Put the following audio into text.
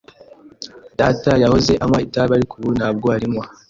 Data yahoze anywa itabi, ariko ubu ntabwo arinywa.